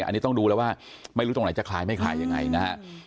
อันนี้ต้องดูแล้วว่าไม่รู้ตรงไหนจะคลายไม่คลายยังไงนะฮะ